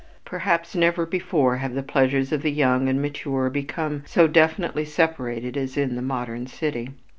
Perhaps never before have the pleasures of the young and mature become so definitely separated as in the modern city.